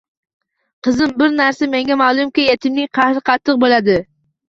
Qizim, bir narsa menga ma'lumki, yetimning qahri qattiq bo'ladi.